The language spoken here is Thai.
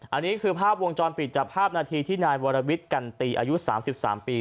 อันนี้คือภาพวงจรปิดจับภาพนาทีที่นายวรวิทย์กันตีอายุ๓๓ปี